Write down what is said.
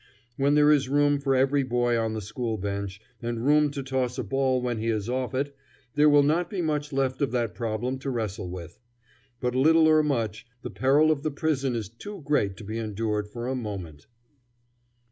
When there is room for every boy on the school bench, and room to toss a ball when he is off it, there will not be much left of that problem to wrestle with; but little or much, the peril of the prison is too great to be endured for a moment.